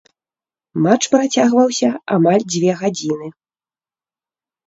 Матч працягваўся амаль дзве гадзіны.